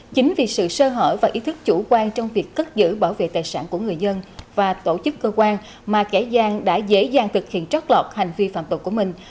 chính vì sự sơ hở và ý thức chủ quan trong việc cất giữ bảo vệ tài sản của người dân và tổ chức cơ quan mà kẻ gian đã dễ dàng thực hiện trót lọt hành vi phạm tội của mình